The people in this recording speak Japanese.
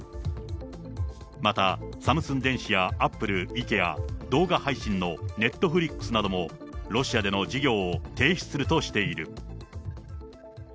また、サムスン電子やアップル、ＩＫＥＡ、動画配信のネットフリックスなども、ロシアでの事業を停止するとしている。